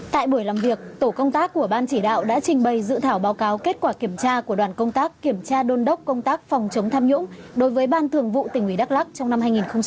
tại buổi làm việc tổ công tác của ban chỉ đạo đã trình bày dự thảo báo cáo kết quả kiểm tra của đoàn công tác kiểm tra đôn đốc công tác phòng chống tham nhũng đối với ban thường vụ tỉnh ủy đắk lắc trong năm hai nghìn một mươi chín